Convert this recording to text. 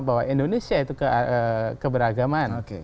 bahwa indonesia itu keberagaman